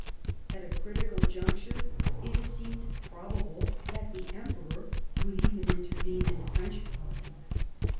At a critical juncture it had seemed probable that the emperor would even intervene in French politics.